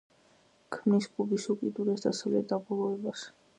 ქმნის კუბის უკიდურეს დასავლეთ დაბოლოებას.